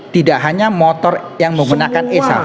tidak hanya motor yang menggunakan esaf